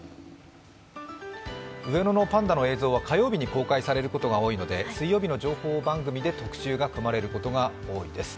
上野のパンダの映像は火曜日に公開されることが多いので、水曜日の情報番組で特集が組まれることが多いです。